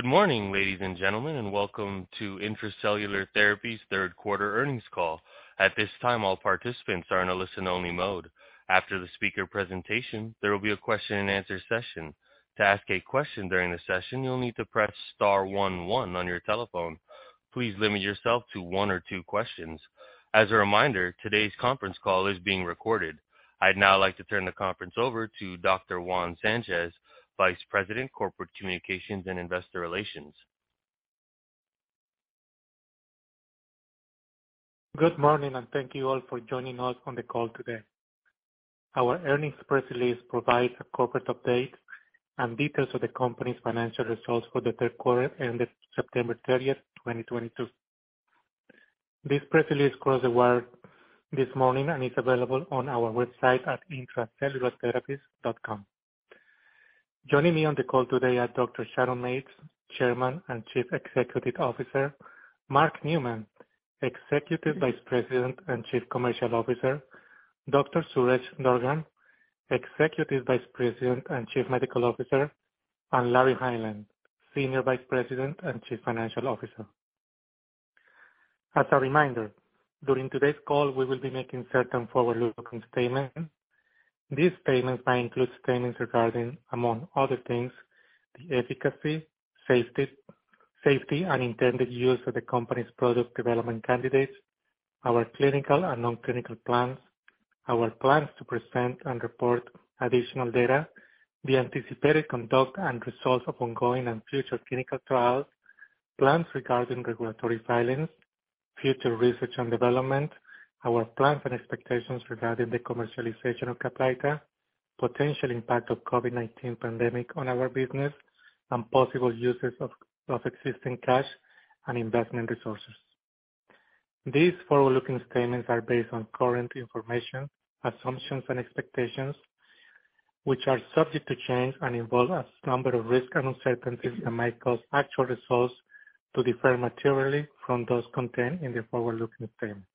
Good morning, ladies and gentlemen, and welcome to Intra-Cellular Therapies Third Quarter earnings call. At this time, all participants are in a listen-only mode. After the speaker presentation, there will be a question-and-answer session. To ask a question during the session, you'll need to press star one one on your telephone. Please limit yourself to one or two questions. As a reminder, today's conference call is being recorded. I'd now like to turn the conference over to Dr. Juan Sanchez, Vice President, Corporate Communications and Investor Relations. Good morning, and thank you all for joining us on the call today. Our earnings press release provides a corporate update and details of the company's financial results for the third quarter ended September 30th, 2022. This press release crossed the wire this morning and is available on our website at intracellulartherapies.com. Joining me on the call today are Dr. Sharon Mates, Chairman and Chief Executive Officer, Mark Neumann, Executive Vice President and Chief Commercial Officer, Dr. Suresh Durgam, Executive Vice President and Chief Medical Officer, and Larry Hineline, Senior Vice President and Chief Financial Officer. As a reminder, during today's call, we will be making certain forward-looking statements. These statements may include statements regarding, among other things, the efficacy, safety and intended use of the company's product development candidates, our clinical and non-clinical plans, our plans to present and report additional data, the anticipated conduct and results of ongoing and future clinical trials, plans regarding regulatory filings, future research and development, our plans and expectations regarding the commercialization of CAPLYTA, potential impact of COVID-19 pandemic on our business, and possible uses of existing cash and investment resources. These forward-looking statements are based on current information, assumptions and expectations, which are subject to change and involve a number of risks and uncertainties that might cause actual results to differ materially from those contained in the forward-looking statements.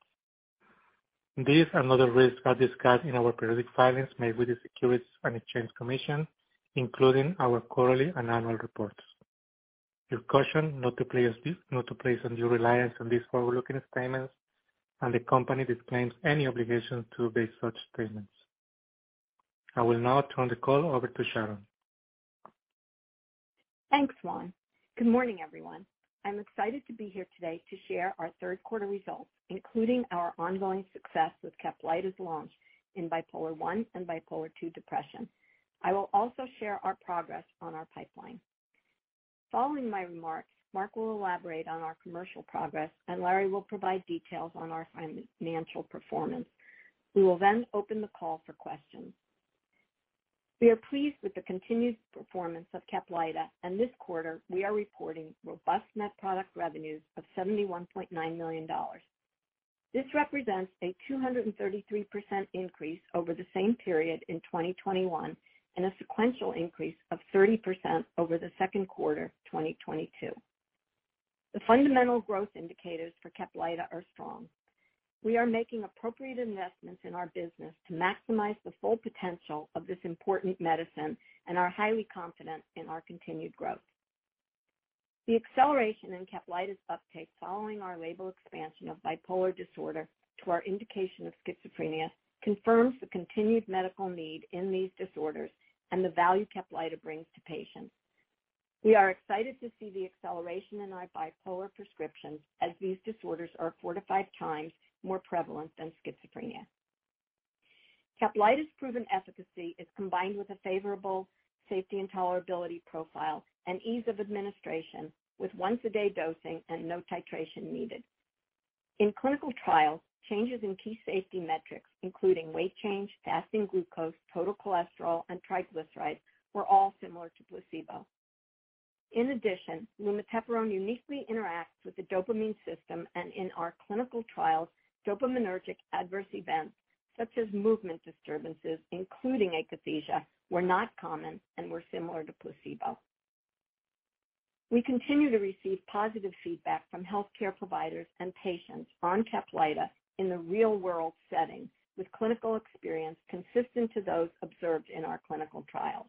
These and other risks are discussed in our periodic filings made with the Securities and Exchange Commission, including our quarterly and annual reports. You're cautioned not to place undue reliance on these forward-looking statements, and the company disclaims any obligation to revise such statements. I will now turn the call over to Sharon. Thanks, Juan. Good morning, everyone. I'm excited to be here today to share our third quarter results, including our ongoing success with CAPLYTA's launch in Bipolar I and Bipolar II depression. I will also share our progress on our pipeline. Following my remarks, Mark will elaborate on our commercial progress, and Larry will provide details on our financial performance. We will then open the call for questions. We are pleased with the continued performance of CAPLYTA, and this quarter we are reporting robust net product revenues of $71.9 million. This represents a 233% increase over the same period in 2021 and a sequential increase of 30% over the second quarter 2022. The fundamental growth indicators for CAPLYTA are strong. We are making appropriate investments in our business to maximize the full potential of this important medicine and are highly confident in our continued growth. The acceleration in CAPLYTA's uptake following our label expansion of bipolar disorder to our indication of schizophrenia confirms the continued medical need in these disorders and the value CAPLYTA brings to patients. We are excited to see the acceleration in our bipolar prescriptions as these disorders are four to five times more prevalent than schizophrenia. CAPLYTA's proven efficacy is combined with a favorable safety and tolerability profile and ease of administration with once-a-day dosing and no titration needed. In clinical trials, changes in key safety metrics, including weight change, fasting glucose, total cholesterol, and triglycerides, were all similar to placebo. In addition, lumateperone uniquely interacts with the dopamine system, and in our clinical trials, dopaminergic adverse events such as movement disturbances, including akathisia, were not common and were similar to placebo. We continue to receive positive feedback from healthcare providers and patients on CAPLYTA in the real-world setting, with clinical experience consistent to those observed in our clinical trials.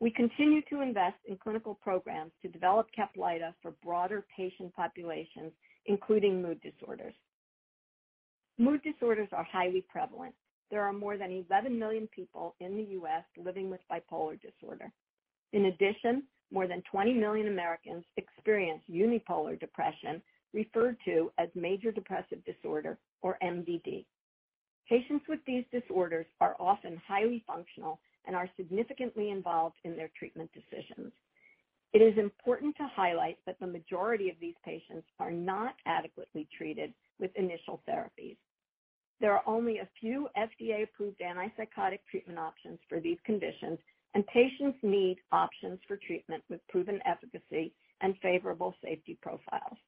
We continue to invest in clinical programs to develop CAPLYTA for broader patient populations, including mood disorders. Mood disorders are highly prevalent. There are more than 11 million people in the U.S. living with bipolar disorder. In addition, more than 20 million Americans experience unipolar depression, referred to as major depressive disorder or MDD. Patients with these disorders are often highly functional and are significantly involved in their treatment decisions. It is important to highlight that the majority of these patients are not adequately treated with initial therapies. There are only a few FDA-approved antipsychotic treatment options for these conditions, and patients need options for treatment with proven efficacy and favorable safety profiles.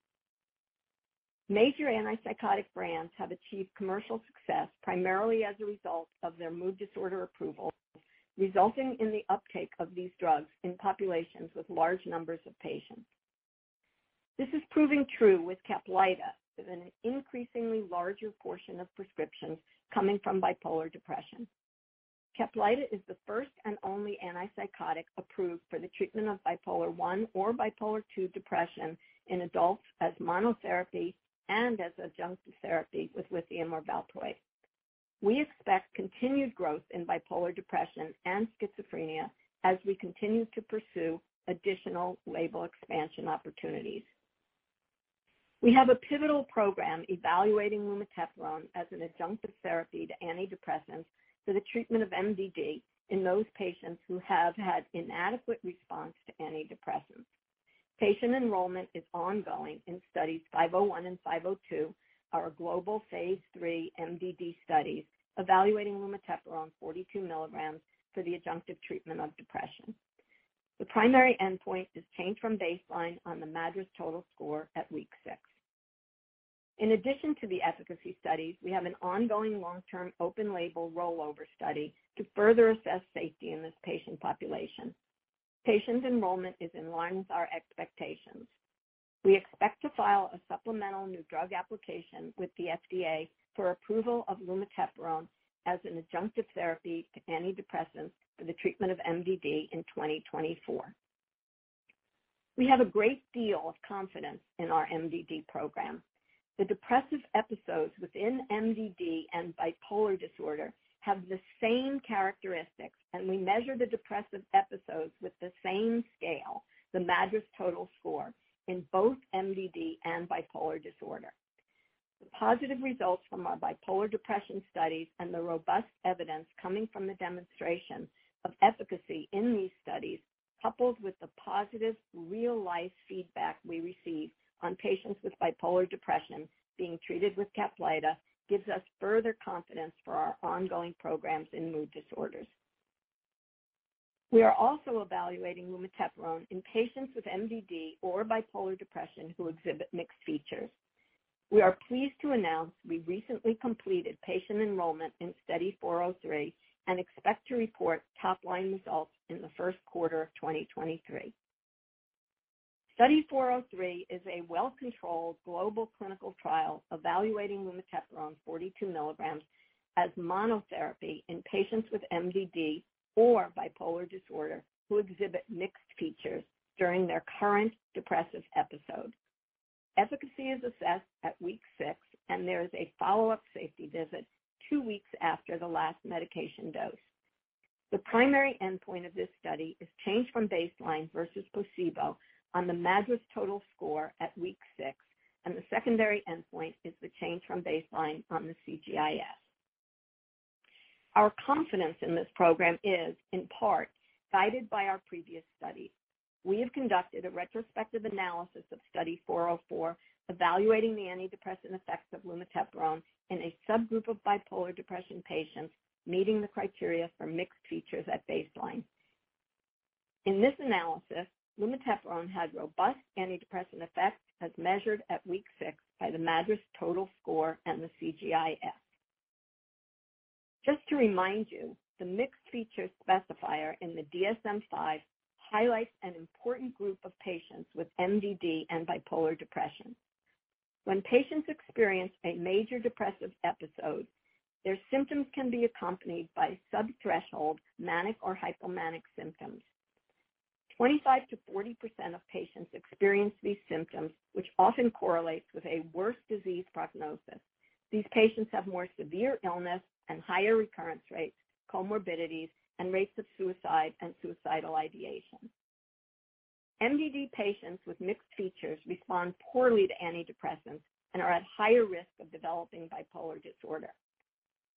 Major antipsychotic brands have achieved commercial success primarily as a result of their mood disorder approval, resulting in the uptake of these drugs in populations with large numbers of patients. This is proving true with CAPLYTA, with an increasingly larger portion of prescriptions coming from bipolar depression. CAPLYTA is the first and only antipsychotic approved for the treatment of Bipolar I or Bipolar II depression in adults as monotherapy and as adjunctive therapy with lithium or valproate. We expect continued growth in bipolar depression and schizophrenia as we continue to pursue additional label expansion opportunities. We have a pivotal program evaluating lumateperone as an adjunctive therapy to antidepressants for the treatment of MDD in those patients who have had inadequate response to antidepressants. Patient enrollment is ongoing in Study 501 and Study 502, our global phase III MDD studies evaluating lumateperone 42 mg for the adjunctive treatment of depression. The primary endpoint is change from baseline on the MADRS total score at week six. In addition to the efficacy studies, we have an ongoing long-term open label rollover study to further assess safety in this patient population. Patient enrollment is in line with our expectations. We expect to file a supplemental new drug application with the FDA for approval of lumateperone as an adjunctive therapy to antidepressants for the treatment of MDD in 2024. We have a great deal of confidence in our MDD program. The depressive episodes within MDD and bipolar disorder have the same characteristics, and we measure the depressive episodes with the same scale, the MADRS total score in both MDD and bipolar disorder. The positive results from our bipolar depression studies and the robust evidence coming from the demonstration of efficacy in these studies, coupled with the positive real-life feedback we receive on patients with bipolar depression being treated with CAPLYTA, gives us further confidence for our ongoing programs in mood disorders. We are also evaluating lumateperone in patients with MDD or bipolar depression who exhibit mixed features. We are pleased to announce we recently completed patient enrollment in Study 403 and expect to report top-line results in the first quarter of 2023. Study 403 is a well-controlled global clinical trial evaluating lumateperone 42 mg as monotherapy in patients with MDD or bipolar disorder who exhibit mixed features during their current depressive episode. Efficacy is assessed at week six, and there is a follow-up safety visit two weeks after the last medication dose. The primary endpoint of this study is change from baseline versus placebo on the MADRS total score at week six, and the secondary endpoint is the change from baseline on the CGI-S. Our confidence in this program is, in part, guided by our previous study. We have conducted a retrospective analysis of Study 404, evaluating the antidepressant effects of lumateperone in a subgroup of bipolar depression patients meeting the criteria for mixed features at baseline. In this analysis, lumateperone had robust antidepressant effects as measured at week six by the MADRS total score and the CGI-S. Just to remind you, the mixed feature specifier in the DSM-5 highlights an important group of patients with MDD and bipolar depression. When patients experience a major depressive episode, their symptoms can be accompanied by subthreshold manic or hypomanic symptoms. 25%-40% of patients experience these symptoms, which often correlates with a worse disease prognosis. These patients have more severe illness and higher recurrence rates, comorbidities, and rates of suicide and suicidal ideation. MDD patients with mixed features respond poorly to antidepressants and are at higher risk of developing bipolar disorder.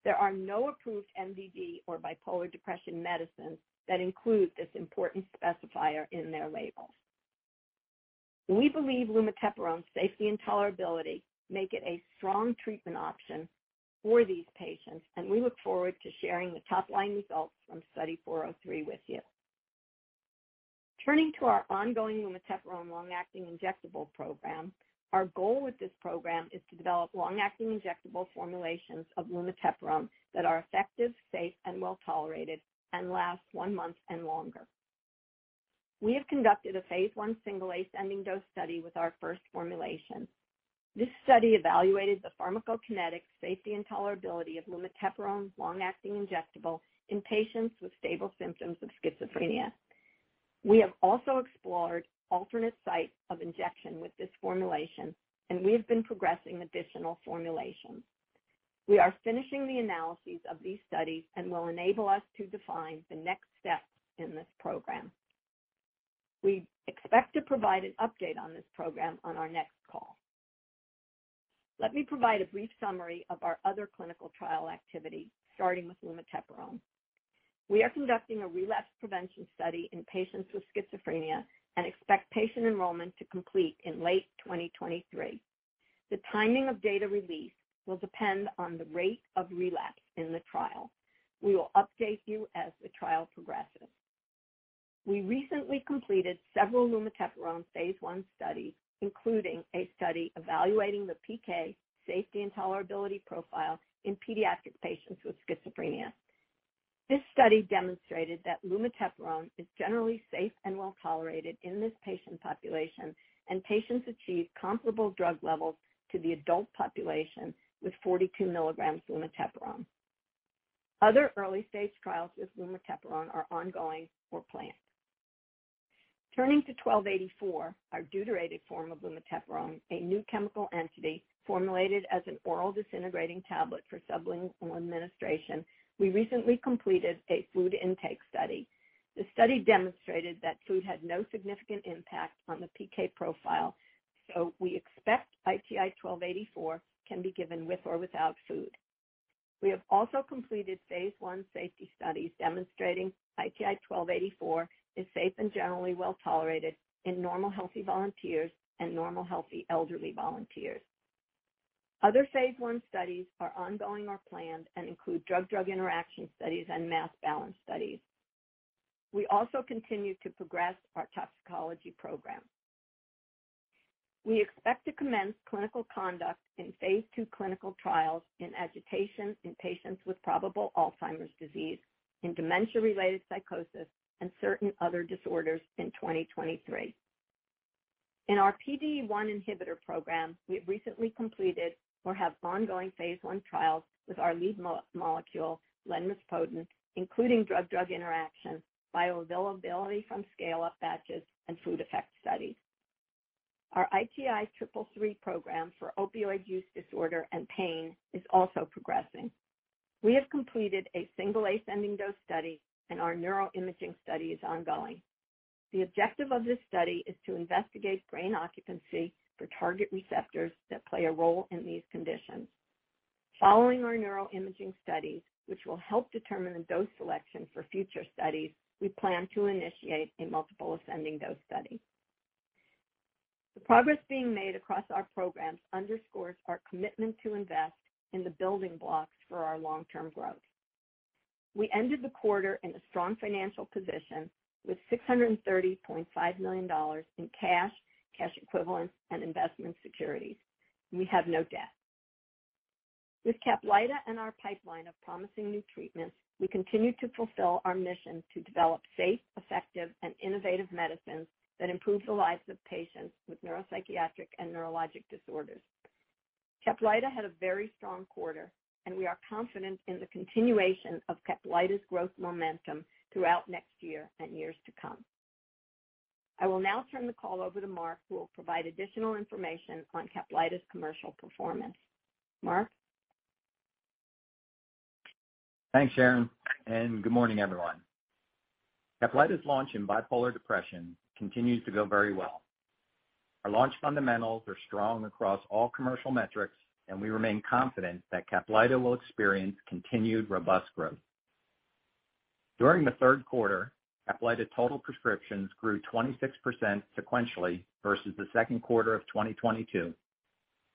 There are no approved MDD or bipolar depression medicines that include this important specifier in their labels. We believe lumateperone's safety and tolerability make it a strong treatment option for these patients, and we look forward to sharing the top-line results from Study 403 with you. Turning to our ongoing lumateperone long-acting injectable program, our goal with this program is to develop long-acting injectable formulations of lumateperone that are effective, safe, and well-tolerated and last one month and longer. We have conducted a phase I single ascending dose study with our first formulation. This study evaluated the pharmacokinetics, safety, and tolerability of lumateperone's long-acting injectable in patients with stable symptoms of schizophrenia. We have also explored alternate sites of injection with this formulation, and we have been progressing additional formulations. We are finishing the analyses of these studies and will enable us to define the next steps in this program. We expect to provide an update on this program on our next call. Let me provide a brief summary of our other clinical trial activity, starting with lumateperone. We are conducting a relapse prevention study in patients with schizophrenia and expect patient enrollment to complete in late 2023. The timing of data release will depend on the rate of relapse in the trial. We will update you as the trial progresses. We recently completed several lumateperone phase I studies, including a study evaluating the PK safety and tolerability profile in pediatric patients with schizophrenia. This study demonstrated that lumateperone is generally safe and well tolerated in this patient population, and patients achieve comparable drug levels to the adult population with 42 mg lumateperone. Other early-stage trials with lumateperone are ongoing or planned. Turning to ITI-1284, our deuterated form of lumateperone, a new chemical entity formulated as an oral disintegrating tablet for sublingual administration. We recently completed a food intake study. The study demonstrated that food had no significant impact on the PK profile, so we expect ITI-1284 can be given with or without food. We have also completed phase I safety studies demonstrating ITI-1284 is safe and generally well tolerated in normal healthy volunteers and normal healthy elderly volunteers. Other phase I studies are ongoing or planned and include drug-drug interaction studies and mass balance studies. We also continue to progress our toxicology program. We expect to commence clinical conduct in phase II clinical trials in agitation in patients with probable Alzheimer's disease, in dementia-related psychosis and certain other disorders in 2023. In our PDE1 inhibitor program, we have recently completed or have ongoing phase I trials with our lead molecule lenrispodun, including drug-drug interactions, bioavailability from scale-up batches and food effect studies. Our ITI-333 program for opioid use disorder and pain is also progressing. We have completed a single ascending dose study and our neuroimaging study is ongoing. The objective of this study is to investigate brain occupancy for target receptors that play a role in these conditions. Following our neuroimaging studies, which will help determine the dose selection for future studies, we plan to initiate a multiple ascending dose study. The progress being made across our programs underscores our commitment to invest in the building blocks for our long-term growth. We ended the quarter in a strong financial position with $630.5 million in cash equivalents and investment securities, and we have no debt. With CAPLYTA and our pipeline of promising new treatments, we continue to fulfill our mission to develop safe, effective and innovative medicines that improve the lives of patients with neuropsychiatric and neurologic disorders. CAPLYTA had a very strong quarter and we are confident in the continuation of CAPLYTA's growth momentum throughout next year and years to come. I will now turn the call over to Mark, who will provide additional information on CAPLYTA's commercial performance. Mark? Thanks, Sharon, and good morning, everyone. CAPLYTA's launch in bipolar depression continues to go very well. Our launch fundamentals are strong across all commercial metrics and we remain confident that CAPLYTA will experience continued robust growth. During the third quarter, CAPLYTA total prescriptions grew 26% sequentially versus the second quarter of 2022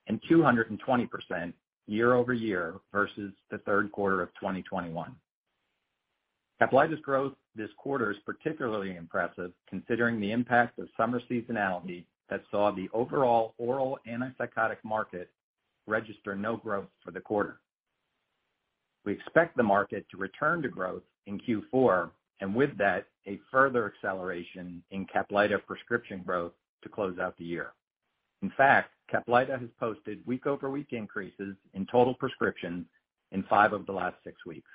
and 220% year-over-year versus the third quarter of 2021. CAPLYTA's growth this quarter is particularly impressive considering the impact of summer seasonality that saw the overall oral antipsychotic market register no growth for the quarter. We expect the market to return to growth in Q4, and with that a further acceleration in CAPLYTA prescription growth to close out the year. In fact, CAPLYTA has posted week-over-week increases in total prescriptions in five of the last six weeks.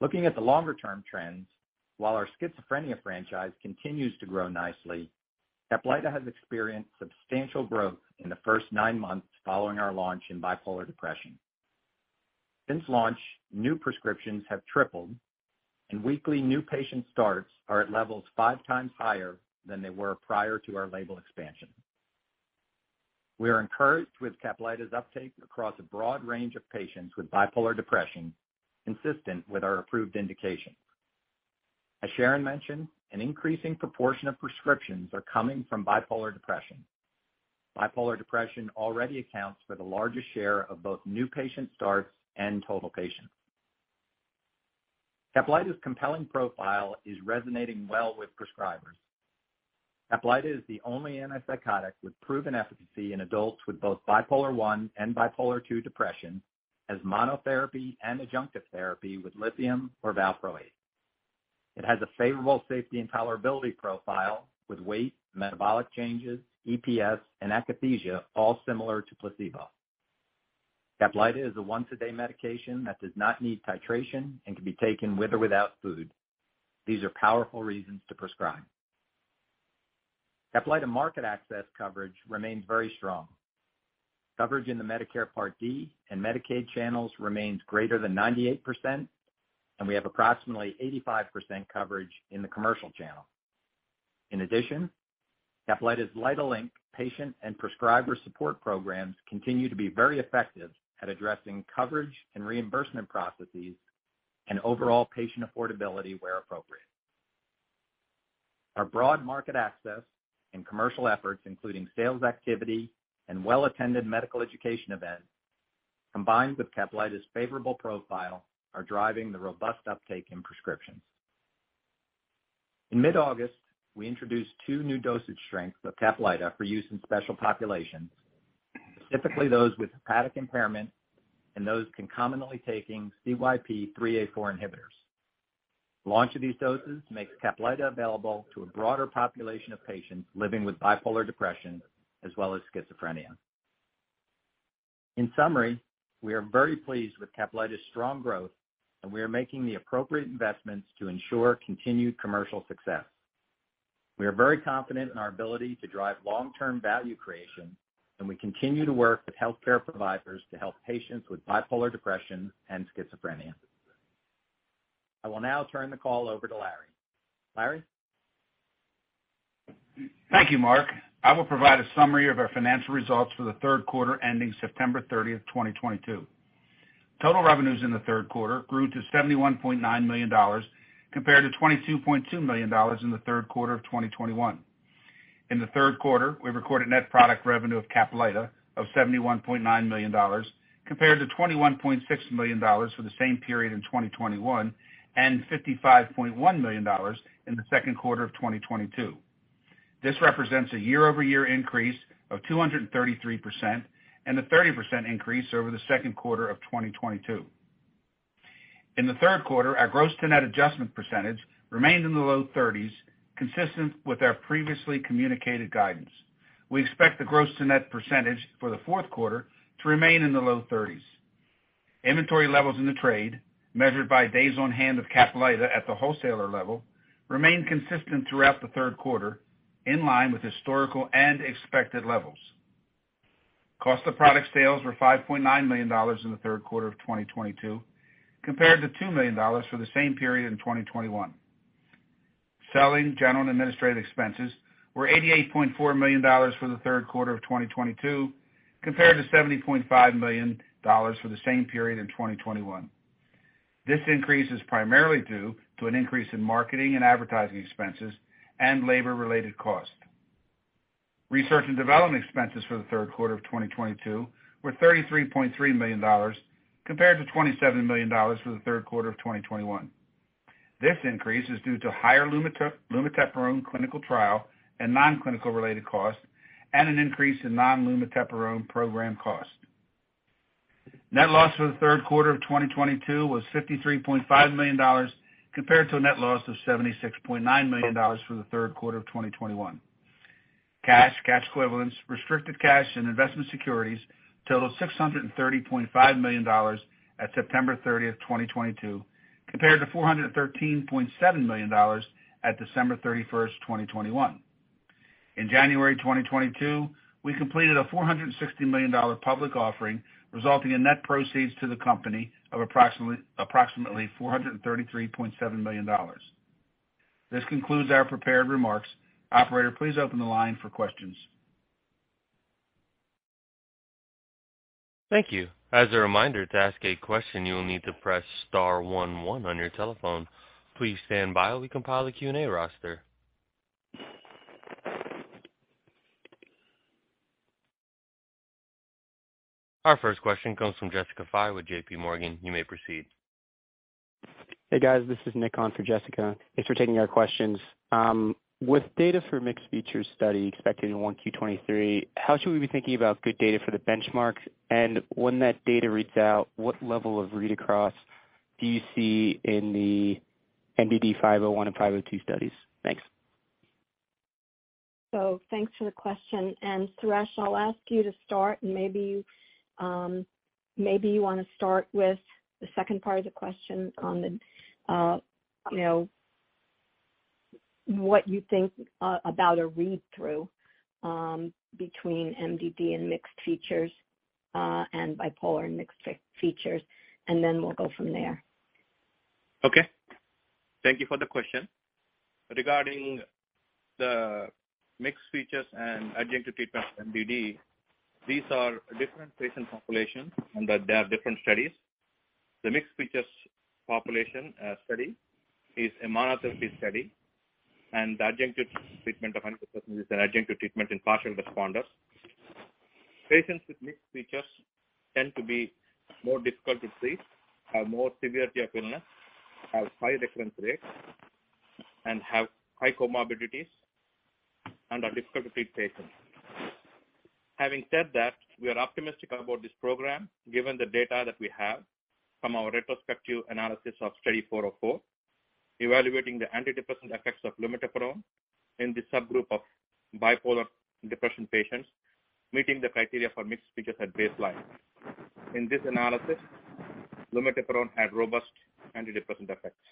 Looking at the longer-term trends, while our schizophrenia franchise continues to grow nicely, CAPLYTA has experienced substantial growth in the first nine months following our launch in bipolar depression. Since launch, new prescriptions have tripled, and weekly new patient starts are at levels five times higher than they were prior to our label expansion. We are encouraged with CAPLYTA's uptake across a broad range of patients with bipolar depression consistent with our approved indication. As Sharon mentioned, an increasing proportion of prescriptions are coming from bipolar depression. Bipolar depression already accounts for the largest share of both new patient starts and total patients. CAPLYTA's compelling profile is resonating well with prescribers. CAPLYTA is the only antipsychotic with proven efficacy in adults with both Bipolar I and Bipolar II depression as monotherapy and adjunctive therapy with lithium or valproate. It has a favorable safety and tolerability profile with weight, metabolic changes, EPS and akathisia all similar to placebo. CAPLYTA is a once a day medication that does not need titration and can be taken with or without food. These are powerful reasons to prescribe. CAPLYTA market access coverage remains very strong. Coverage in the Medicare Part D and Medicaid channels remains greater than 98%, and we have approximately 85% coverage in the commercial channel. In addition, CAPLYTA's LYTAlink patient and prescriber support programs continue to be very effective at addressing coverage and reimbursement processes and overall patient affordability where appropriate. Our broad market access and commercial efforts, including sales activity and well-attended medical education events combined with CAPLYTA's favorable profile, are driving the robust uptake in prescriptions. In mid-August, we introduced two new dosage strengths of CAPLYTA for use in special populations, specifically those with hepatic impairment and those concomitantly taking CYP3A4 inhibitors. Launch of these doses makes CAPLYTA available to a broader population of patients living with bipolar depression as well as schizophrenia. In summary, we are very pleased with CAPLYTA's strong growth, and we are making the appropriate investments to ensure continued commercial success. We are very confident in our ability to drive long-term value creation, and we continue to work with healthcare providers to help patients with bipolar depression and schizophrenia. I will now turn the call over to Larry. Larry? Thank you, Mark. I will provide a summary of our financial results for the third quarter ending September 30th, 2022. Total revenues in the third quarter grew to $71.9 million compared to $22.2 million in the third quarter of 2021. In the third quarter, we recorded net product revenue of CAPLYTA of $71.9 million compared to $21.6 million for the same period in 2021 and $55.1 million in the second quarter of 2022. This represents a year-over-year increase of 233% and a 30% increase over the second quarter of 2022. In the third quarter, our gross to net adjustment percentage remained in the low 30s%, consistent with our previously communicated guidance. We expect the gross to net percentage for the fourth quarter to remain in the low 30s%. Inventory levels in the trade, measured by days on hand of CAPLYTA at the wholesaler level, remained consistent throughout the third quarter, in line with historical and expected levels. Cost of product sales were $5.9 million in the third quarter of 2022, compared to $2 million for the same period in 2021. Selling, general, and administrative expenses were $88.4 million for the third quarter of 2022, compared to $70.5 million for the same period in 2021. This increase is primarily due to an increase in marketing and advertising expenses and labor-related costs. Research and development expenses for the third quarter of 2022 were $33.3 million compared to $27 million for the third quarter of 2021. This increase is due to higher lumateperone clinical trial and non-clinical related costs and an increase in non lumateperone program costs. Net loss for the third quarter of 2022 was $53.5 million compared to a net loss of $76.9 million for the third quarter of 2021. Cash, cash equivalents, restricted cash, and investment securities totaled $630.5 million at September 30th, 2022, compared to $413.7 million at December 31st, 2021. In January 2022, we completed a $460 million public offering, resulting in net proceeds to the company of approximately $433.7 million. This concludes our prepared remarks. Operator, please open the line for questions. Thank you. As a reminder, to ask a question, you will need to press star one one on your telephone. Please stand by while we compile a Q&A roster. Our first question comes from Jessica Fye with JPMorgan. You may proceed. Hey, guys. This is Nick on for Jessica. Thanks for taking our questions. With data for mixed features study expected in 1Q 2023, how should we be thinking about good data for the benchmarks? When that data reads out, what level of read across do you see in the MDD 501 and 502 studies? Thanks. Thanks for the question, and Suresh, I'll ask you to start, and maybe you wanna start with the second part of the question on the, you know, what you think about a read-through between MDD and mixed features, and bipolar mixed features, and then we'll go from there. Okay. Thank you for the question. Regarding the mixed features and adjunctive treatment MDD, these are different patient populations and that they are different studies. The mixed features population study is a monotherapy study, and the adjunctive treatment of antidepressant is an adjunctive treatment in partial responders. Patients with mixed features tend to be more difficult to treat, have more severity of illness, have high recurrence rates, and have high comorbidities, and are difficult to treat patients. Having said that, we are optimistic about this program given the data that we have from our retrospective analysis of Study 404, evaluating the antidepressant effects of lumateperone in the subgroup of bipolar depression patients meeting the criteria for mixed features at baseline. In this analysis, lumateperone had robust antidepressant effects.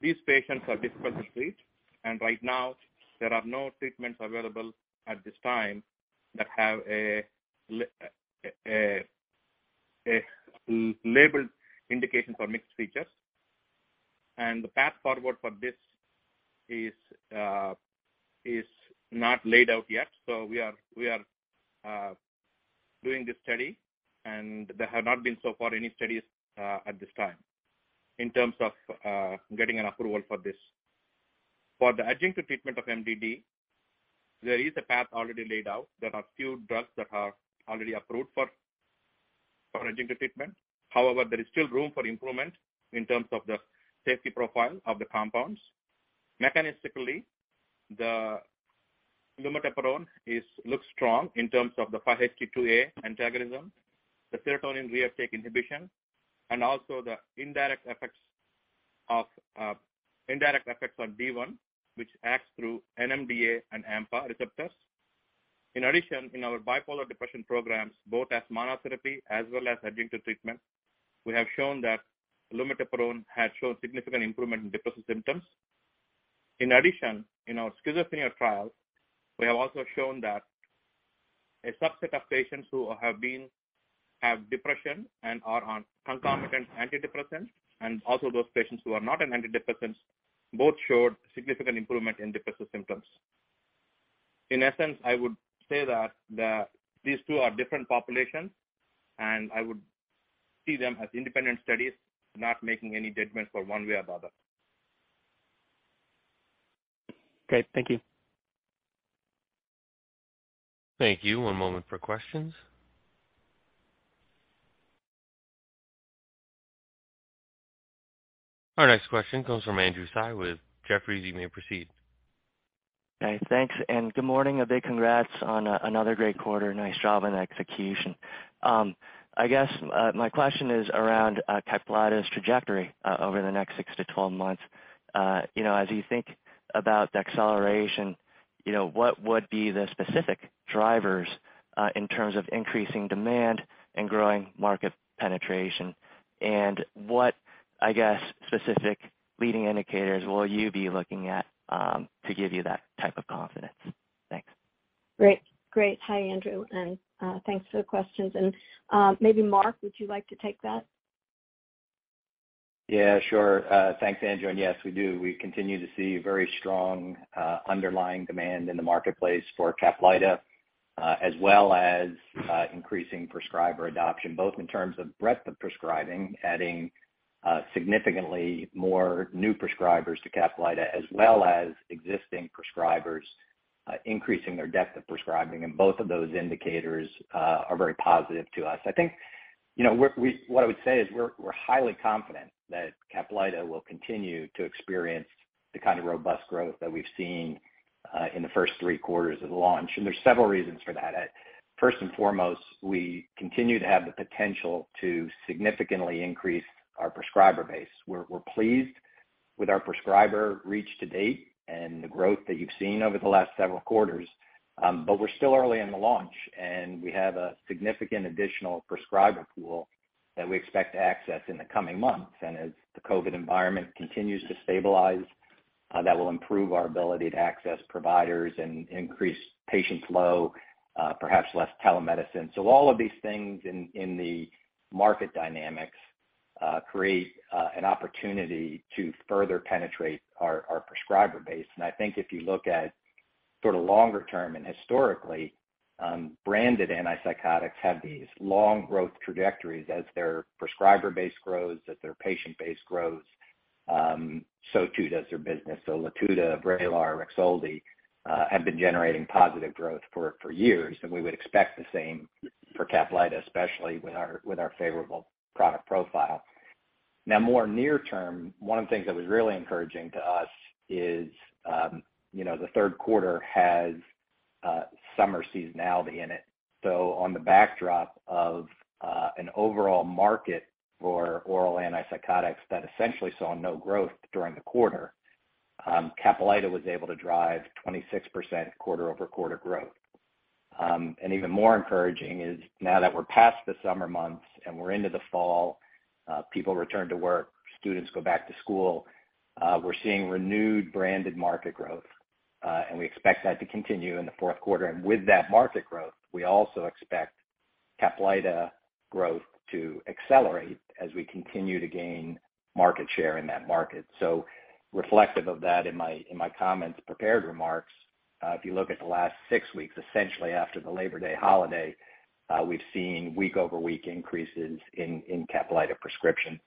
These patients are difficult to treat, and right now there are no treatments available at this time that have a labeled indication for mixed features. The path forward for this is not laid out yet. We are doing this study, and there have not been so far any studies at this time in terms of getting an approval for this. For the adjunctive treatment of MDD, there is a path already laid out. There are few drugs that are already approved for adjunctive treatment. However, there is still room for improvement in terms of the safety profile of the compounds. Mechanistically, the lumateperone looks strong in terms of the 5-HT2A antagonism, the serotonin reuptake inhibition, and also the indirect effects on D1, which acts through NMDA and AMPA receptors. In addition, in our bipolar depression programs, both as monotherapy as well as adjunctive treatment, we have shown that lumateperone has shown significant improvement in depressive symptoms. In addition, in our schizophrenia trial, we have also shown that a subset of patients who have depression and are on concomitant antidepressants, and also those patients who are not on antidepressants, both showed significant improvement in depressive symptoms. In essence, I would say that these two are different populations, and I would see them as independent studies, not making any judgment for one way or the other. Okay. Thank you. Thank you. One moment for questions. Our next question comes from Andrew Tsai with Jefferies. You may proceed. Okay, thanks, and good morning. A big congrats on another great quarter. Nice job on execution. I guess my question is around CAPLYTA's trajectory over the next six to 12 months. You know, as you think about the acceleration, you know, what would be the specific drivers in terms of increasing demand and growing market penetration? And what, I guess, specific leading indicators will you be looking at to give you that type of confidence? Thanks. Great. Hi, Andrew, and thanks for the questions. Maybe Mark, would you like to take that? Yeah, sure. Thanks, Andrew. Yes, we do. We continue to see very strong underlying demand in the marketplace for CAPLYTA, as well as increasing prescriber adoption, both in terms of breadth of prescribing, adding significantly more new prescribers to CAPLYTA, as well as existing prescribers increasing their depth of prescribing. Both of those indicators are very positive to us. I think, you know, what I would say is we're highly confident that CAPLYTA will continue to experience the kind of robust growth that we've seen in the first three quarters of the launch. There's several reasons for that. First and foremost, we continue to have the potential to significantly increase our prescriber base. We're pleased with our prescriber reach to date and the growth that you've seen over the last several quarters. We're still early in the launch, and we have a significant additional prescriber pool that we expect to access in the coming months. As the COVID environment continues to stabilize, that will improve our ability to access providers and increase patient flow, perhaps less telemedicine. All of these things in the market dynamics create an opportunity to further penetrate our prescriber base. I think if you look at sort of longer term and historically, branded antipsychotics have these long growth trajectories as their prescriber base grows, as their patient base grows, so too does their business. Latuda, VRAYLAR, REXULTI have been generating positive growth for years, and we would expect the same for CAPLYTA, especially with our favorable product profile. Now, more near term, one of the things that was really encouraging to us is, you know, the third quarter has summer seasonality in it. On the backdrop of an overall market for oral antipsychotics that essentially saw no growth during the quarter, CAPLYTA was able to drive 26% quarter-over-quarter growth. Even more encouraging is now that we're past the summer months and we're into the fall, people return to work, students go back to school, we're seeing renewed branded market growth, and we expect that to continue in the fourth quarter. With that market growth, we also expect CAPLYTA growth to accelerate as we continue to gain market share in that market. Reflective of that in my comments, prepared remarks, if you look at the last six weeks, essentially after the Labor Day holiday, we've seen week-over-week increases in CAPLYTA prescription.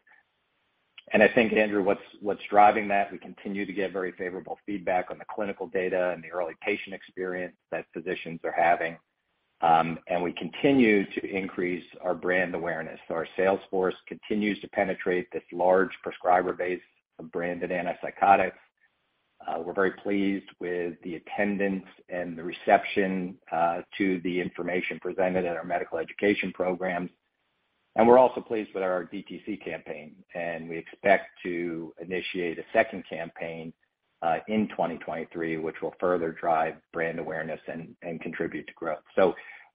I think, Andrew, what's driving that, we continue to get very favorable feedback on the clinical data and the early patient experience that physicians are having. We continue to increase our brand awareness. Our sales force continues to penetrate this large prescriber base of branded antipsychotics. We're very pleased with the attendance and the reception to the information presented at our medical education programs. We're also pleased with our DTC campaign, and we expect to initiate a second campaign in 2023, which will further drive brand awareness and contribute to growth.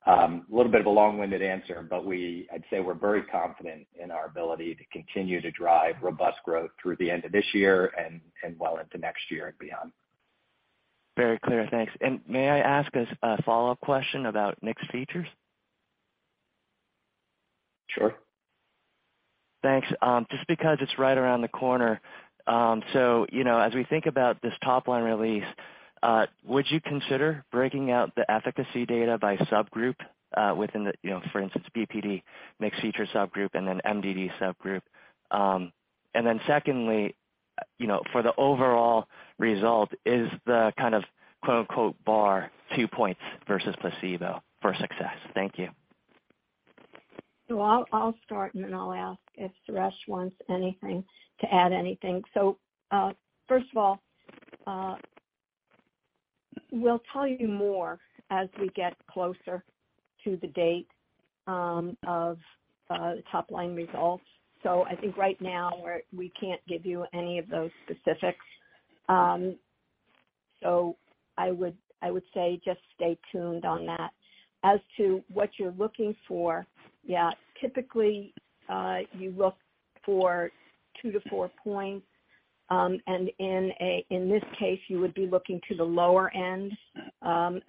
A little bit of a long-winded answer, but I'd say we're very confident in our ability to continue to drive robust growth through the end of this year and well into next year and beyond. Very clear. Thanks. May I ask a follow-up question about mixed features? Sure. Thanks. Just because it's right around the corner. You know, as we think about this top-line release, would you consider breaking out the efficacy data by subgroup within the, you know, for instance, BPD mixed feature subgroup and then MDD subgroup? And then secondly, you know, for the overall result is the kind of quote-unquote bar 2 points versus placebo for success. Thank you. I'll start and then I'll ask if Suresh wants anything to add anything. First of all, we'll tell you more as we get closer to the date of top line results. I think right now we can't give you any of those specifics. I would say just stay tuned on that. As to what you're looking for, yeah, typically, you look for 2-4 points. In this case, you would be looking to the lower end,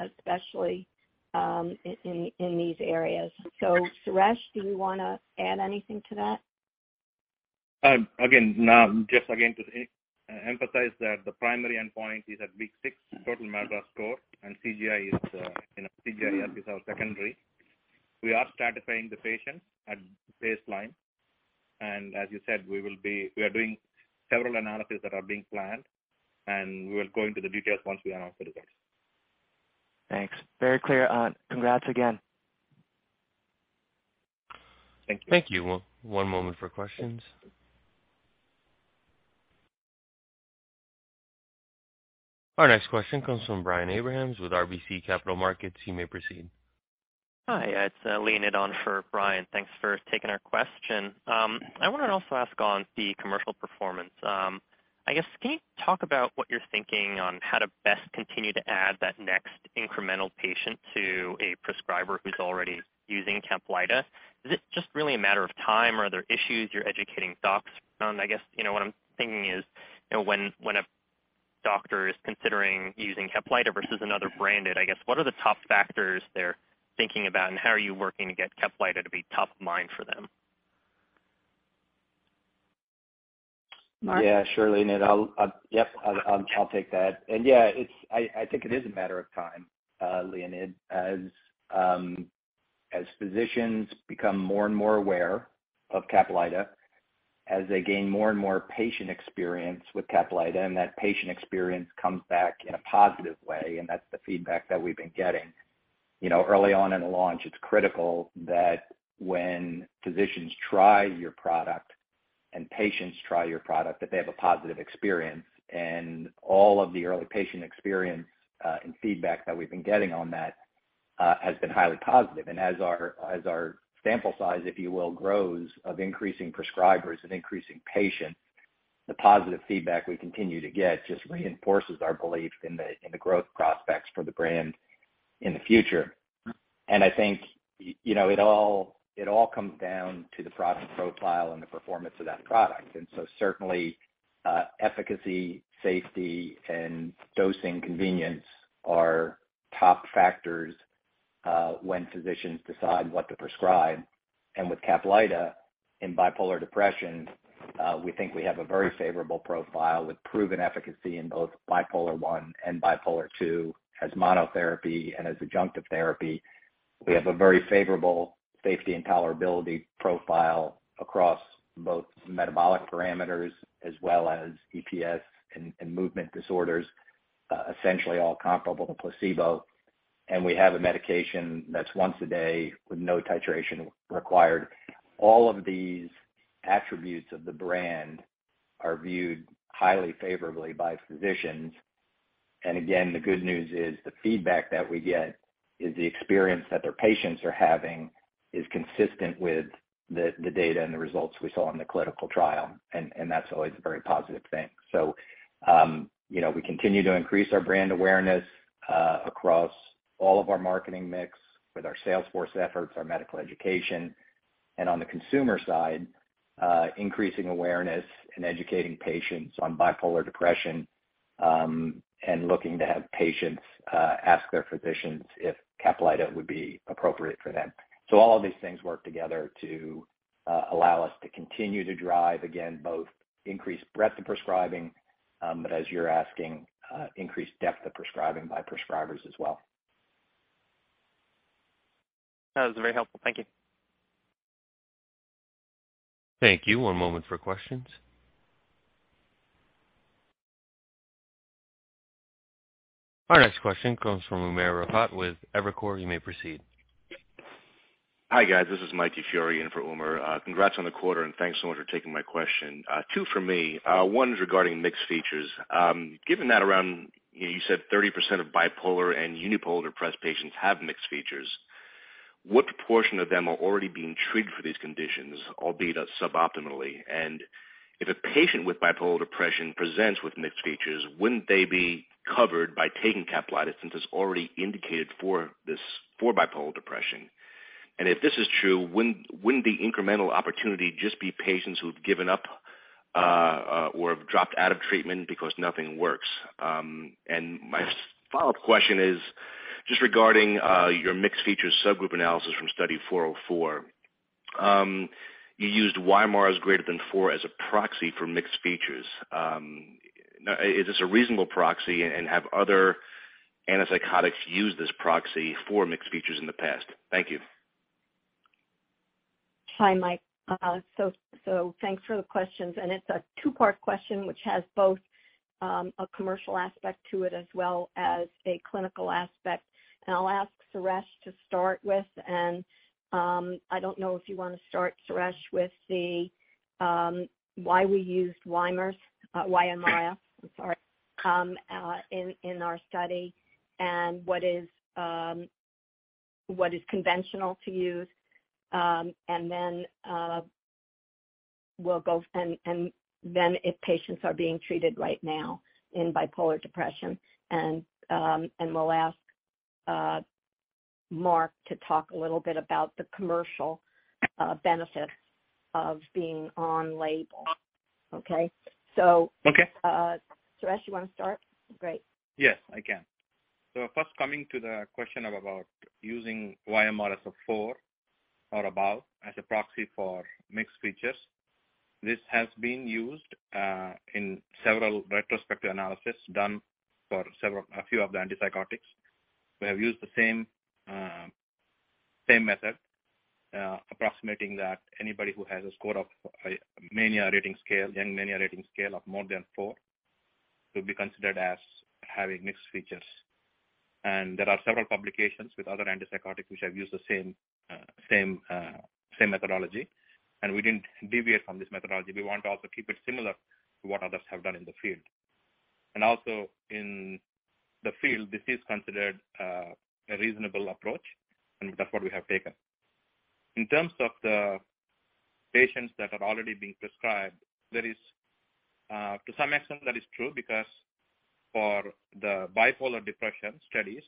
especially in these areas. Suresh, do you wanna add anything to that? Again, now just to re-emphasize that the primary endpoint is change from baseline total MADRS score, and CGI-S is our secondary. We are stratifying the patients at baseline. As you said, we are doing several analysis that are being planned, and we will go into the details once we announce the results. Thanks. Very clear. Congrats again. Thank you. Thank you. One moment for questions. Our next question comes from Brian Abrahams with RBC Capital Markets. You may proceed. Hi, it's Leonid on for Brian. Thanks for taking our question. I wanna also ask on the commercial performance. I guess can you talk about what you're thinking on how to best continue to add that next incremental patient to a prescriber who's already using CAPLYTA? Is it just really a matter of time or are there issues you're educating docs on? I guess, you know, what I'm thinking is, you know, when a doctor is considering using CAPLYTA versus another branded, I guess, what are the top factors they're thinking about, and how are you working to get CAPLYTA to be top of mind for them? Mark? Yeah, sure, Leonid. I'll take that. Yeah, it's a matter of time, Leonid. As physicians become more and more aware of CAPLYTA, as they gain more and more patient experience with CAPLYTA, and that patient experience comes back in a positive way, and that's the feedback that we've been getting. You know, early on in the launch, it's critical that when physicians try your product and patients try your product, that they have a positive experience. All of the early patient experience and feedback that we've been getting on that has been highly positive. As our sample size, if you will, grows of increasing prescribers and increasing patients, the positive feedback we continue to get just reinforces our belief in the growth prospects for the brand in the future. I think, you know, it all comes down to the product profile and the performance of that product. Certainly, efficacy, safety and dosing convenience are top factors, when physicians decide what to prescribe. With CAPLYTA in bipolar depression, we think we have a very favorable profile with proven efficacy in both Bipolar I and Bipolar II as monotherapy and as adjunctive therapy. We have a very favorable safety and tolerability profile across both metabolic parameters as well as EPS and movement disorders, essentially all comparable to placebo. We have a medication that's once a day with no titration required. All of these attributes of the brand are viewed highly favorably by physicians. Again, the good news is the feedback that we get is the experience that their patients are having is consistent with the data and the results we saw in the clinical trial. That's always a very positive thing. You know, we continue to increase our brand awareness across all of our marketing mix with our sales force efforts, our medical education, and on the consumer side, increasing awareness and educating patients on bipolar depression and looking to have patients ask their physicians if CAPLYTA would be appropriate for them. All of these things work together to allow us to continue to drive, again, both increased breadth of prescribing but as you're asking, increased depth of prescribing by prescribers as well. That was very helpful. Thank you. Thank you. One moment for questions. Our next question comes from Umer Raffat with Evercore. You may proceed. Hi, guys. This is Mike DiFiore in for Umer. Congrats on the quarter, and thanks so much for taking my question. Two for me. One is regarding mixed features. Given that around, you know, you said 30% of bipolar and unipolar depressed patients have mixed features, what proportion of them are already being treated for these conditions, albeit suboptimally? If a patient with bipolar depression presents with mixed features, wouldn't they be covered by taking CAPLYTA since it's already indicated for this, for bipolar depression? If this is true, wouldn't the incremental opportunity just be patients who've given up or have dropped out of treatment because nothing works? My follow-up question is just regarding your mixed feature subgroup analysis from Study 404. You used YMRS greater than four as a proxy for mixed features. Now, is this a reasonable proxy and have other antipsychotics used this proxy for mixed features in the past? Thank you. Hi, Mike. Thanks for the questions. It's a two-part question which has both a commercial aspect to it as well as a clinical aspect. I'll ask Suresh to start with. I don't know if you wanna start, Suresh, with the why we used YMRS, I'm sorry, in our study, and what is conventional to use and then if patients are being treated right now in bipolar depression. We'll ask Mark to talk a little bit about the commercial benefit of being on label. Okay? Okay. Suresh, you wanna start? Great. Yes, I can. First coming to the question about using YMRS of four or above as a proxy for mixed features. This has been used in several retrospective analysis done for a few of the antipsychotics. We have used the same method, approximating that anybody who has a score of mania rating scale, Young Mania Rating Scale of more than four will be considered as having mixed features. There are several publications with other antipsychotics which have used the same methodology, and we didn't deviate from this methodology. We want to also keep it similar to what others have done in the field. Also in the field, this is considered a reasonable approach, and that's what we have taken. In terms of the patients that are already being prescribed, there is to some extent that is true because for the bipolar depression studies,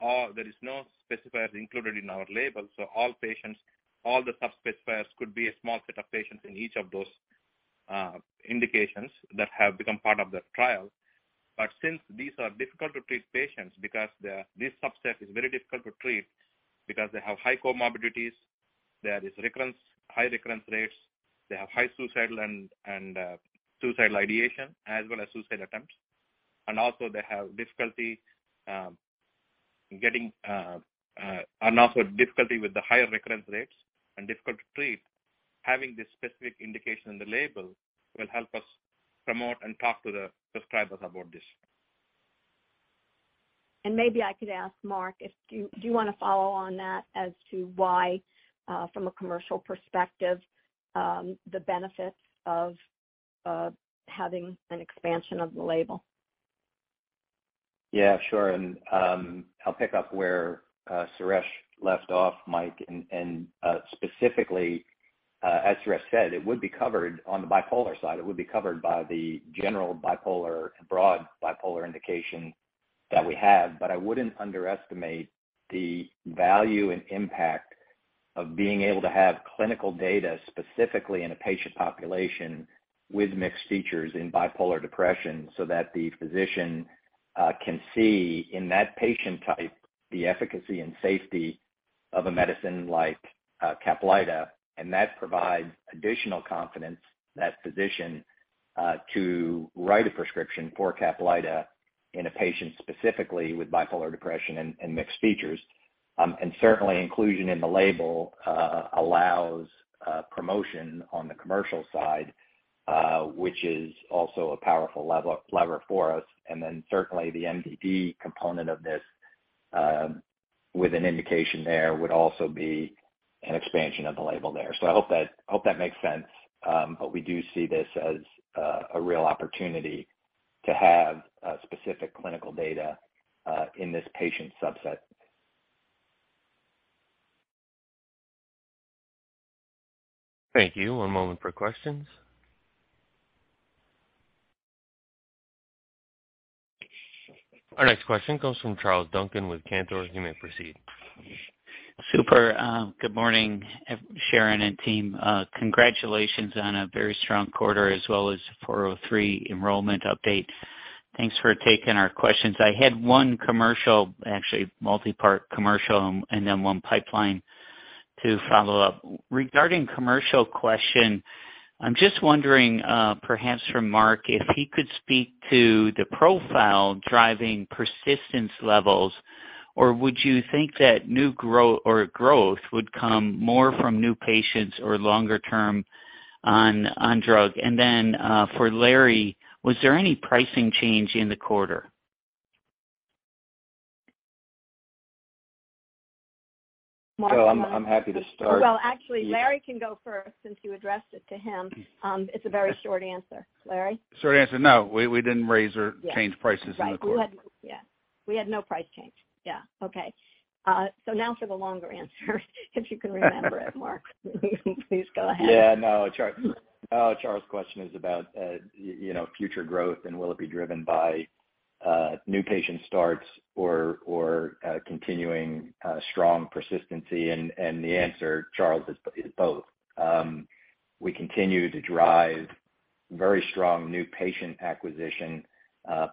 there is no specifiers included in our label. All patients, all the sub-specifiers could be a small set of patients in each of those indications that have become part of that trial. Since these are difficult to treat patients because this subset is very difficult to treat because they have high comorbidities, there is recurrence, high recurrence rates. They have high suicidal ideation as well as suicide attempts. They have difficulty with the higher recurrence rates and difficult to treat. Having this specific indication in the label will help us promote and talk to the prescribers about this. Maybe I could ask Mark if you wanna follow on that as to why, from a commercial perspective, the benefits of having an expansion of the label? Yeah, sure. I'll pick up where Suresh left off, Mike. Specifically, as Suresh said, it would be covered on the bipolar side. It would be covered by the general bipolar, broad bipolar indication that we have. I wouldn't underestimate the value and impact of being able to have clinical data specifically in a patient population with mixed features in bipolar depression so that the physician can see in that patient type the efficacy and safety of a medicine like CAPLYTA. That provides additional confidence to that physician to write a prescription for CAPLYTA in a patient specifically with bipolar depression and mixed features. Certainly inclusion in the label allows promotion on the commercial side, which is also a powerful lever for us. Certainly the MDD component of this, with an indication there would also be an expansion of the label there. I hope that makes sense. We do see this as a real opportunity to have specific clinical data in this patient subset. Thank you. One moment for questions. Our next question comes from Charles Duncan with Cantor. You may proceed. Super. Good morning, Sharon and team. Congratulations on a very strong quarter as well as the 403 enrollment update. Thanks for taking our questions. I had one commercial, actually multi-part commercial and then one pipeline to follow up. Regarding commercial question, I'm just wondering, perhaps from Mark, if he could speak to the profile driving persistence levels, or would you think that growth would come more from new patients or longer term on drug? For Larry, was there any pricing change in the quarter? Well, I'm happy to start. Well, actually Larry can go first since you addressed it to him. It's a very short answer. Larry? Short answer, no. We didn't raise or- Yes. Unchanged prices in the quarter. Right. We had no price change. Yeah. Okay. Now for the longer answer, if you can remember it, Mark, please go ahead. Yeah, no. Charles' question is about you know, future growth and will it be driven by new patient starts or continuing strong persistency. The answer, Charles, is both. We continue to drive very strong new patient acquisition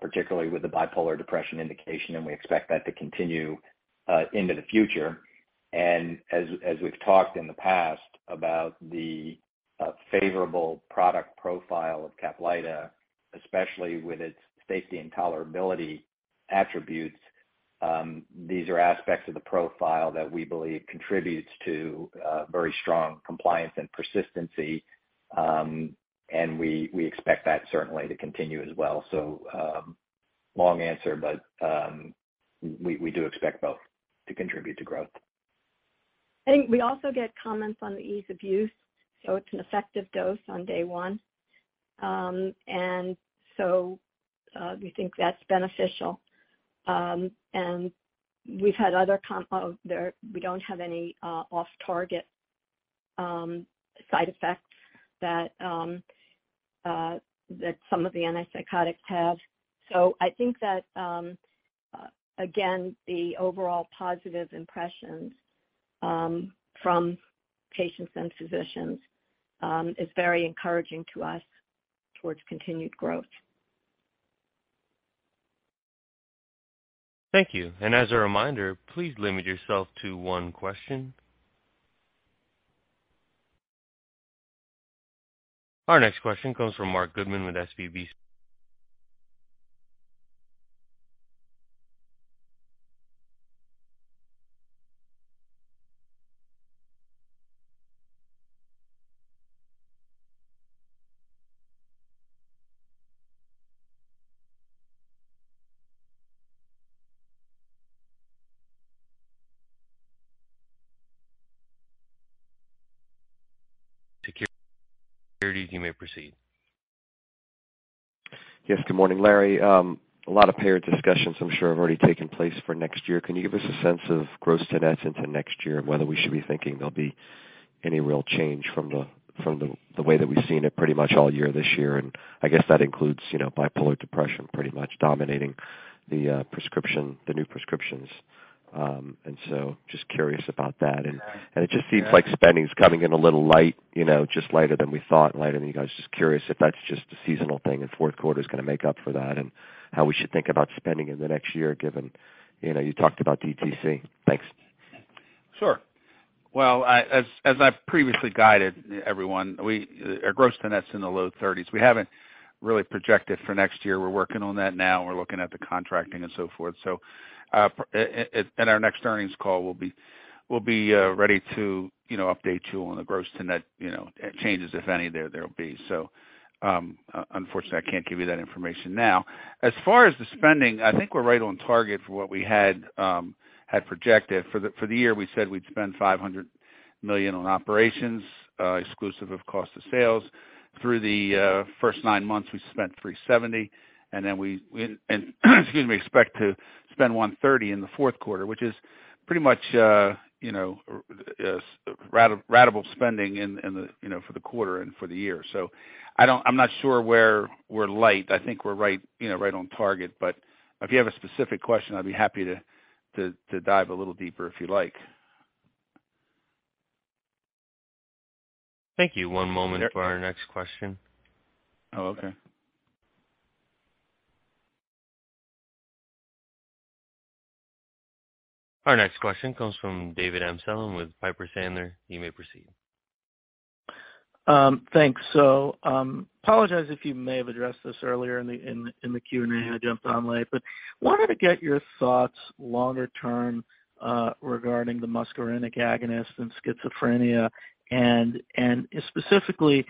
particularly with the bipolar depression indication, and we expect that to continue into the future. As we've talked in the past about the favorable product profile of CAPLYTA, especially with its safety and tolerability attributes These are aspects of the profile that we believe contributes to very strong compliance and persistency. We expect that certainly to continue as well. Long answer, but we do expect both to contribute to growth. I think we also get comments on the ease of use, so it's an effective dose on day one. We think that's beneficial. We don't have any off-target side effects that some of the antipsychotics have. I think that again, the overall positive impressions from patients and physicians is very encouraging to us towards continued growth. Thank you. As a reminder, please limit yourself to one question. Our next question comes from Marc Goodman with SVB. You may proceed. Yes, good morning, Larry. A lot of payer discussions I'm sure have already taken place for next year. Can you give us a sense of gross to net into next year and whether we should be thinking there'll be any real change from the way that we've seen it pretty much all year this year? I guess that includes, you know, bipolar depression pretty much dominating the prescription, the new prescriptions. Just curious about that. It just seems like spending's coming in a little light, you know, just lighter than we thought, lighter than you guys. Just curious if that's just a seasonal thing and fourth quarter's gonna make up for that, and how we should think about spending in the next year, given, you know, you talked about DTC. Thanks. Sure. Well, as I've previously guided everyone, our gross to net's in the low 30s%. We haven't really projected for next year. We're working on that now and we're looking at the contracting and so forth. At our next earnings call, we'll be ready to, you know, update you on the gross to net, you know, changes if any there'll be. Unfortunately, I can't give you that information now. As far as the spending, I think we're right on target for what we had projected. For the year, we said we'd spend $500 million on operations, exclusive of cost of sales. Through the first nine months, we spent $370 million, and then, excuse me, we expect to spend $130 million in the fourth quarter, which is pretty much, you know, ratable spending in the, you know, for the quarter and for the year. I'm not sure where we're light. I think we're right, you know, right on target. If you have a specific question, I'd be happy to dive a little deeper if you like. Thank you. One moment for our next question. Oh, okay. Our next question comes from David Amsellem with Piper Sandler. You may proceed. Thanks. Apologize if you may have addressed this earlier in the Q&A. I jumped on late. Wanted to get your thoughts longer term regarding the muscarinic agonist in schizophrenia and specifically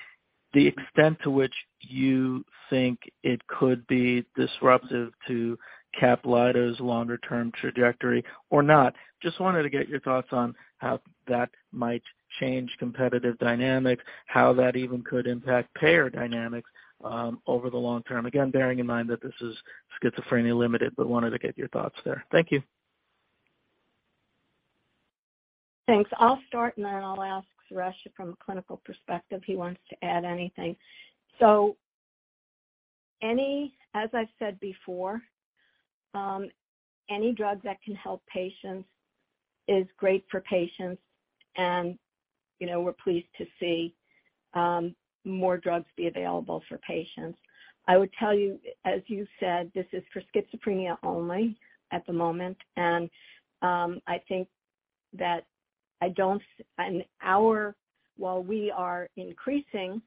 the extent to which you think it could be disruptive to CAPLYTA's longer term trajectory or not. Just wanted to get your thoughts on how that might change competitive dynamics, how that even could impact payer dynamics over the long term. Again, bearing in mind that this is schizophrenia limited, wanted to get your thoughts there. Thank you. Thanks. I'll start and then I'll ask Suresh from a clinical perspective, he wants to add anything. As I've said before, any drug that can help patients is great for patients. You know, we're pleased to see more drugs be available for patients. I would tell you, as you said, this is for schizophrenia only at the moment. I think that while we are increasing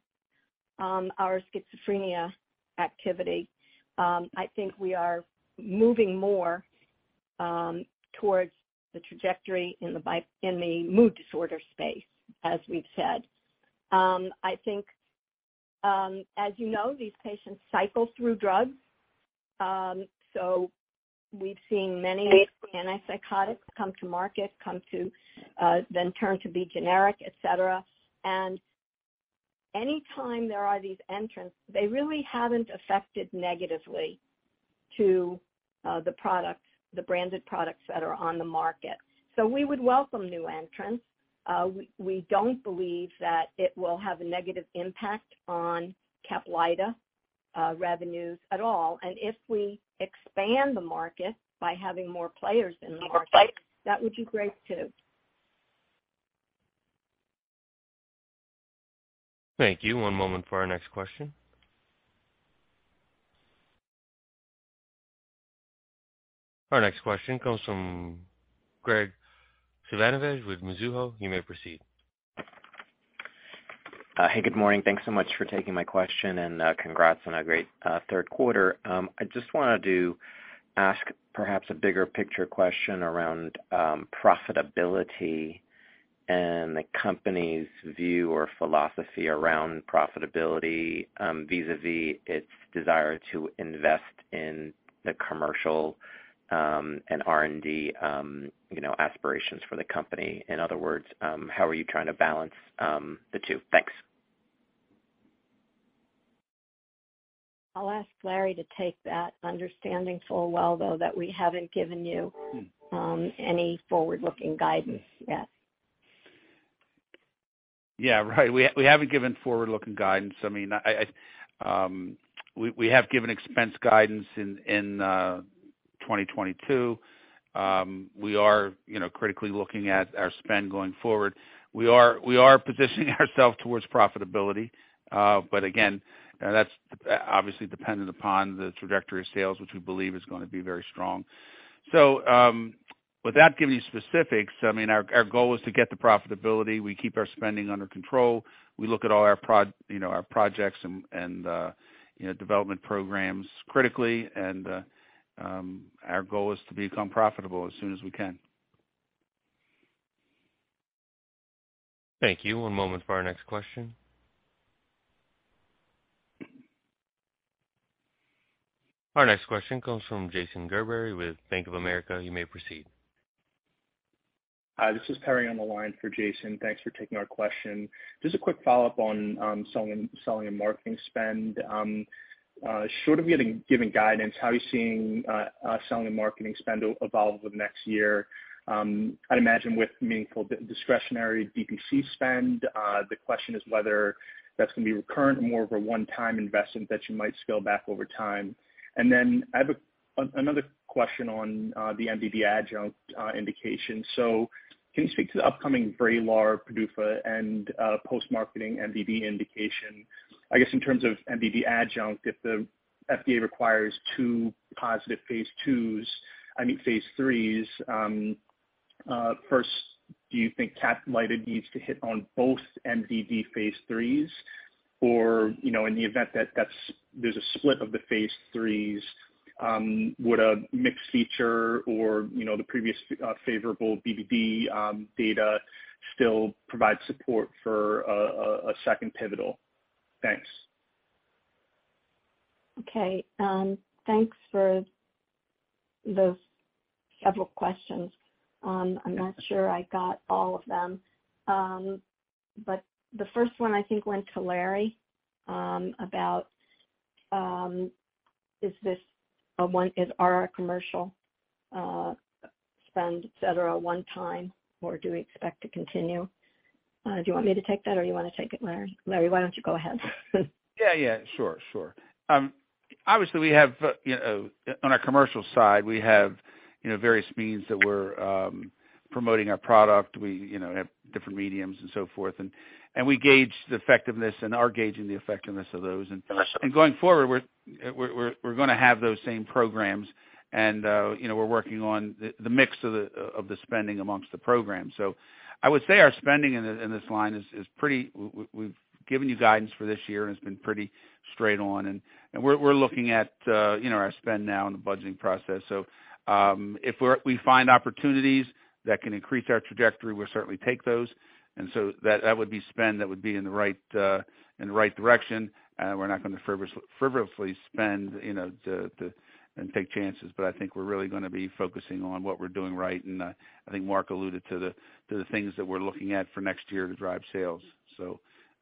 our schizophrenia activity, I think we are moving more towards the trajectory in the mood disorder space, as we've said. I think, as you know, these patients cycle through drugs. We've seen many antipsychotics come to market, then turn to be generic, et cetera. Any time there are these entrants, they really haven't affected negatively to the products, the branded products that are on the market. We would welcome new entrants. We don't believe that it will have a negative impact on CAPLYTA revenues at all. If we expand the market by having more players in the market, that would be great, too. Thank you. One moment for our next question. Our next question comes from Graig Suvannavejh with Mizuho. You may proceed. Hey, good morning. Thanks so much for taking my question and, congrats on a great third quarter. I just wanted to ask perhaps a bigger picture question around profitability and the company's view or philosophy around profitability vis-à-vis its desire to invest in the commercial and R&D, you know, aspirations for the company. In other words, how are you trying to balance the two? Thanks. I'll ask Larry to take that, understanding full well, though, that we haven't given you any forward-looking guidance yet. Yeah. Right. We haven't given forward-looking guidance. I mean, we have given expense guidance in 2022. We are, you know, critically looking at our spend going forward. We are positioning ourselves towards profitability. Again, that's obviously dependent upon the trajectory of sales, which we believe is gonna be very strong. Without giving you specifics, I mean, our goal is to get to profitability. We keep our spending under control. We look at all our, you know, projects and, you know, development programs critically and our goal is to become profitable as soon as we can. Thank you. One moment for our next question. Our next question comes from Jason Gerberry with Bank of America. You may proceed. Hi, this is Terry on the line for Jason. Thanks for taking our question. Just a quick follow-up on selling and marketing spend. Short of giving guidance, how are you seeing selling and marketing spend evolve over the next year? I'd imagine with meaningful discretionary DTC spend, the question is whether that's gonna be recurrent or more of a one-time investment that you might scale back over time. I have another question on the MDD adjunct indication. Can you speak to the upcoming VRAYLAR PDUFA and post-marketing MDD indication? I guess in terms of MDD adjunct, if the FDA requires two positive phase IIs, I mean phase IIIs, first, do you think CAPLYTA needs to hit on both MDD phase IIIs? You know, in the event that there's a split of the phase IIIs, would a mixed feature or, you know, the previous, favorable BDD data still provide support for a second pivotal? Thanks. Okay. Thanks for those several questions. I'm not sure I got all of them. The first one I think went to Larry, about, is our commercial spend, et cetera, one time or do we expect to continue? Do you want me to take that or you wanna take it, Larry? Larry, why don't you go ahead? Yeah, yeah. Sure, sure. Obviously we have, you know, on our commercial side, we have, you know, various means that we're promoting our product. We, you know, have different mediums and so forth. We gauge the effectiveness and are gauging the effectiveness of those. Going forward, we're gonna have those same programs and, you know, we're working on the mix of the spending amongst the programs. So I would say our spending in this line is pretty. We've given you guidance for this year and it's been pretty straight on. We're looking at, you know, our spend now in the budgeting process. So if we find opportunities that can increase our trajectory, we'll certainly take those. That would be spending that would be in the right, in the right direction. We're not gonna frivolously spend, you know, to take chances. I think we're really gonna be focusing on what we're doing right. I think Mark alluded to the things that we're looking at for next year to drive sales.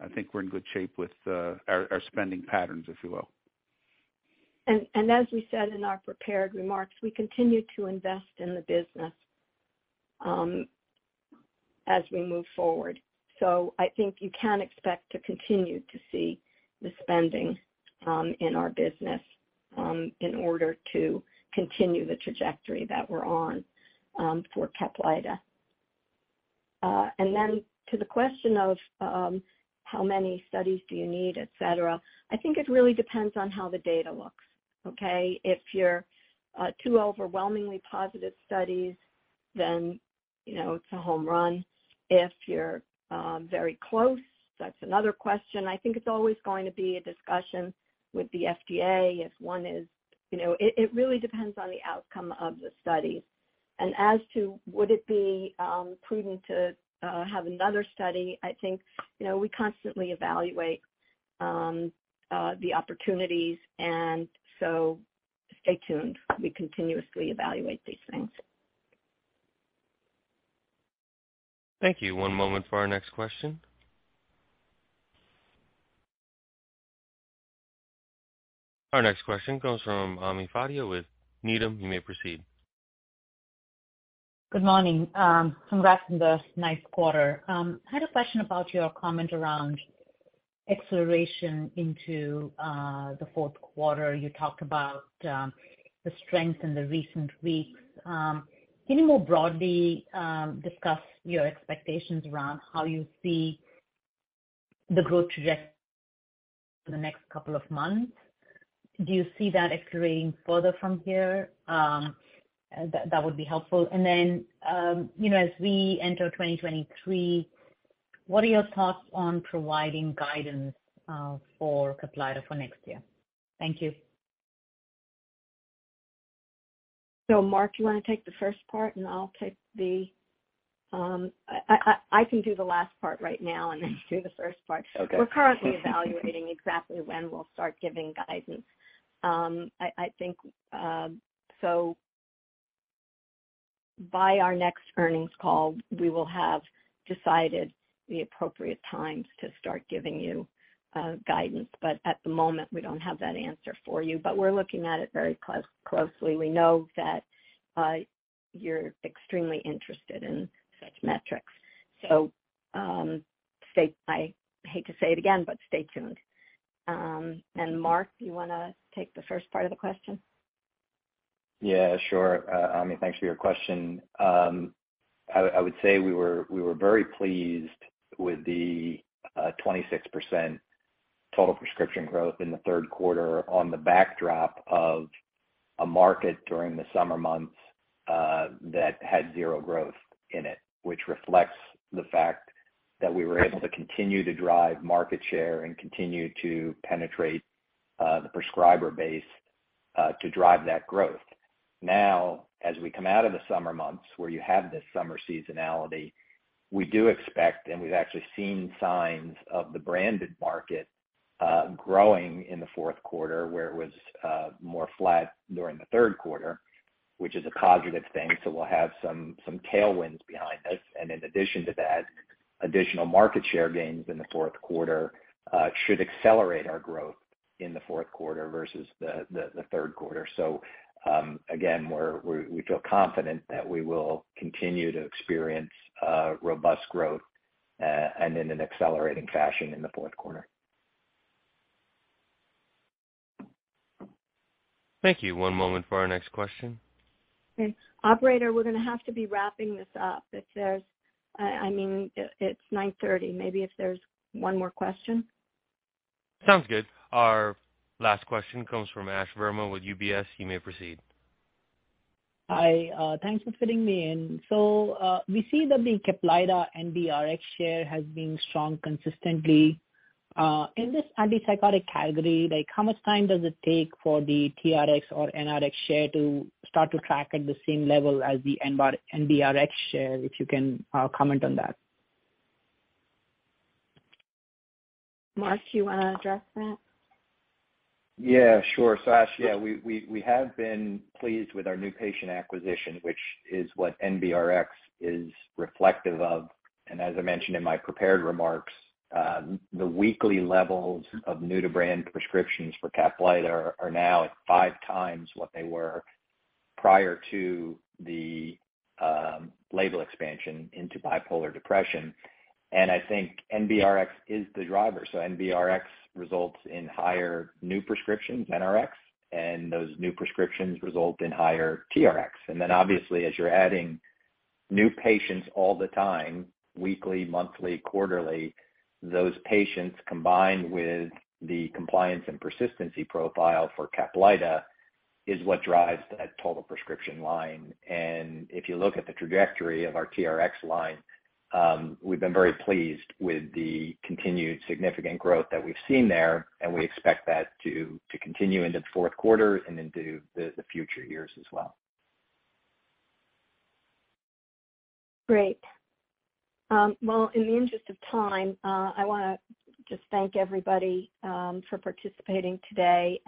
I think we're in good shape with our spending patterns, if you will. As we said in our prepared remarks, we continue to invest in the business as we move forward. I think you can expect to continue to see the spending in our business in order to continue the trajectory that we're on for CAPLYTA. To the question of how many studies do you need, et cetera, I think it really depends on how the data looks. Okay. If you're two overwhelmingly positive studies, you know, it's a home run. If you're very close, that's another question. I think it's always going to be a discussion with the FDA if one is. You know, it really depends on the outcome of the study. As to would it be prudent to have another study, I think, you know, we constantly evaluate the opportunities and so stay tuned. We continuously evaluate these things. Thank you. One moment for our next question. Our next question comes from Ami Fadia with Needham. You may proceed. Good morning. Congrats on the nice quarter. I had a question about your comment around acceleration into the fourth quarter. You talked about the strength in the recent weeks. Can you more broadly discuss your expectations around how you see the growth trajectory for the next couple of months? Do you see that escalating further from here? That would be helpful. You know, as we enter 2023, what are your thoughts on providing guidance for CAPLYTA for next year? Thank you. Mark, you wanna take the first part and I can do the last part right now and then you do the first part. Okay. We're currently evaluating exactly when we'll start giving guidance. I think by our next earnings call, we will have decided the appropriate times to start giving you guidance. At the moment, we don't have that answer for you. We're looking at it very closely. We know that you're extremely interested in such metrics. I hate to say it again, but stay tuned. Mark, you wanna take the first part of the question? Yeah, sure. Ami, thanks for your question. I would say we were very pleased with the 26% total prescription growth in the third quarter on the backdrop of a market during the summer months that had zero growth in it, which reflects the fact that we were able to continue to drive market share and continue to penetrate the prescriber base to drive that growth. Now, as we come out of the summer months where you have this summer seasonality, we do expect, and we've actually seen signs of the branded market growing in the fourth quarter where it was more flat during the third quarter, which is a positive thing. We'll have some tailwinds behind us. In addition to that, additional market share gains in the fourth quarter should accelerate our growth in the fourth quarter versus the third quarter. Again, we feel confident that we will continue to experience robust growth and in an accelerating fashion in the fourth quarter. Thank you. One moment for our next question. Okay. Operator, we're gonna have to be wrapping this up. I mean, it's 9:30 A.M. Maybe if there's one more question? Sounds good. Our last question comes from Ash Verma with UBS. You may proceed. Hi, thanks for fitting me in. We see that the CAPLYTA NBRx share has been strong consistently. In this antipsychotic category, like, how much time does it take for the TRx or NRx share to start to track at the same level as the NBRx share? If you can, comment on that. Mark, do you wanna address that? Yeah, sure. Ash, yeah, we have been pleased with our new patient acquisition, which is what NBRx is reflective of. As I mentioned in my prepared remarks, the weekly levels of new to brand prescriptions for CAPLYTA are now at five times what they were prior to the label expansion into bipolar depression. I think NBRx is the driver. NBRx results in higher new prescriptions, NRx, and those new prescriptions result in higher TRx. Obviously, as you're adding new patients all the time, weekly, monthly, quarterly, those patients combined with the compliance and persistency profile for CAPLYTA is what drives that total prescription line. If you look at the trajectory of our TRx line, we've been very pleased with the continued significant growth that we've seen there, and we expect that to continue into the fourth quarter and into the future years as well. Great. Well, in the interest of time, I wanna just thank everybody for participating today.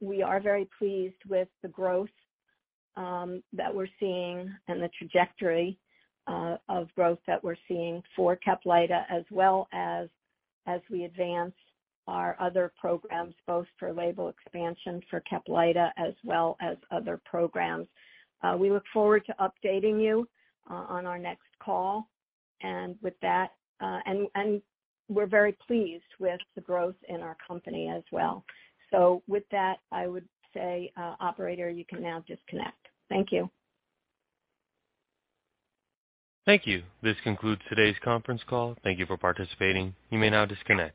We are very pleased with the growth that we're seeing and the trajectory of growth that we're seeing for CAPLYTA, as well as we advance our other programs, both for label expansion for CAPLYTA as well as other programs. We look forward to updating you on our next call. With that, and we're very pleased with the growth in our company as well. With that, I would say, operator, you can now disconnect. Thank you. Thank you. This concludes today's conference call. Thank you for participating. You may now disconnect.